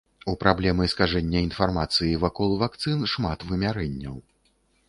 У праблемы скажэння інфармацыі вакол вакцын шмат вымярэнняў.